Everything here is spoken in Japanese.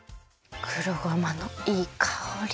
黒ごまのいいかおり。